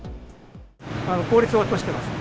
効率を落としてます。